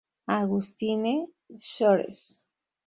Augustine Shores.